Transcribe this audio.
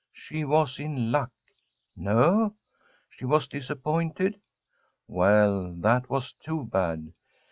She was in luck. No? She was disappointed? Well, that was too bad.